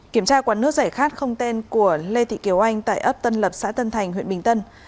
kiểm tra quán nước giải khát không tên của lê thị kiều anh tại ấp tân lập xã tân thành huyện bình tân